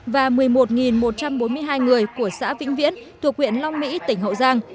và một mươi một một trăm bốn mươi hai người của xã vĩnh viễn thuộc huyện long mỹ tỉnh hậu giang